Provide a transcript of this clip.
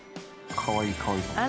かわいい？